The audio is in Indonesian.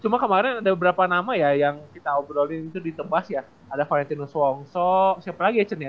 cuma kemarin ada beberapa nama ya yang kita obrolin itu di tebas ya ada valentinus wongso siapa lagi ya cun ya